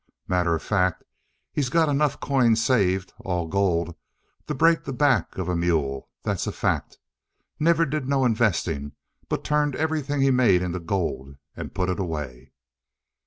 Matter of fact, he's got enough coin saved all gold to break the back of a mule. That's a fact! Never did no investing, but turned everything he made into gold and put it away."